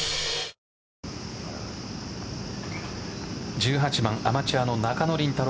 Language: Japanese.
１８番、アマチュアの中野麟太朗。